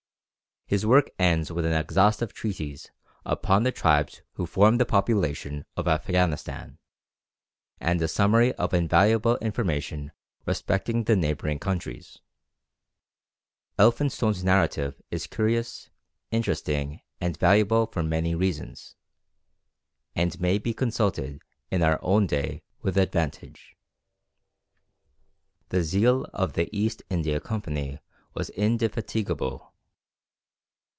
His work ends with an exhaustive treatise upon the tribes who form the population of Afghanistan, and a summary of invaluable information respecting the neighbouring countries. Elphinstone's narrative is curious, interesting, and valuable for many reasons, and may be consulted in our own day with advantage. [Illustration: Persian costumes. (Fac simile of early engraving.)] The zeal of the East India Company was indefatigable.